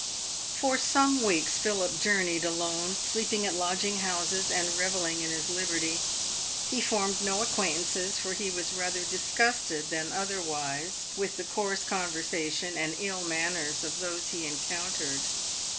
Eor some weeks Philip journeyed alone, sleeping at lodging houses, and revelling in his liberty. He formed no acquaintances, for he was rather disgusted than otherwise with the coarse conversation and ill manners of those he encountered.